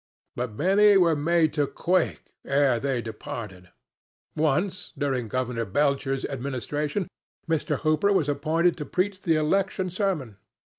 But many were made to quake ere they departed. Once, during Governor Belcher's administration, Mr. Hooper was appointed to preach the election sermon.